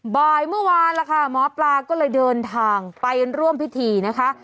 บ่ายเมื่อวานล่ะค่ะหมอปลาก็เลยเดินทางไปร่วมพิธีนะคะ